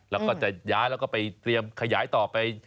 แล้วก็จะย้ายแล้วก็ไปเตรียมขยายต่อไป